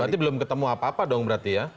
berarti belum ketemu apa apa dong berarti ya